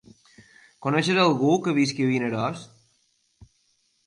Coneixes algú que visqui a Vinaròs?